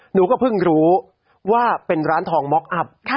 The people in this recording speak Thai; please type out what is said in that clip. หนูก็เพิ่งรู้ว่าเป็นร้านทองม็อกอัพ